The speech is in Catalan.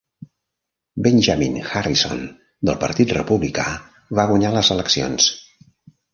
Benjamin Harrison del Partit Republicà va guanyar les eleccions.